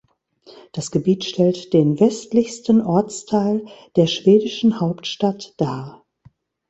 Das Gebiet stellt den westlichsten Ortsteil der schwedischen Hauptstadt dar.